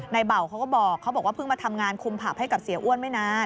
เบาเขาก็บอกเขาบอกว่าเพิ่งมาทำงานคุมผับให้กับเสียอ้วนไม่นาน